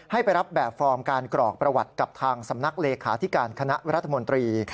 ไปรับแบบฟอร์มการกรอกประวัติกับทางสำนักเลขาธิการคณะรัฐมนตรี